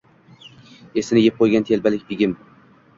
Esini yeb qo’ygan… telbalik, begim